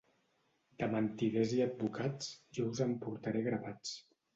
De mentiders i advocats, jo us en portaré a grapats.